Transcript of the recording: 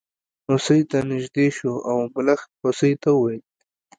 هوسۍ ته نژدې شو او ملخ هوسۍ ته وویل.